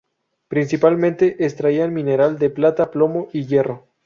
Principalmente extraían mineral de plata, plomo y hierro.